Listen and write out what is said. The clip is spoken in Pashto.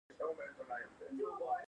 آیا فرنیچر په داخل کې جوړیږي؟